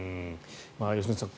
良純さん